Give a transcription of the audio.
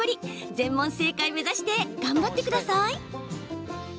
全問正解目指して頑張ってください！